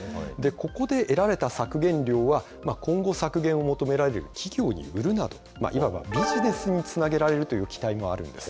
ここで得られた削減量は、今後削減を求められる企業に売るなど、いわばビジネスにつなげられるという期待もあるんです。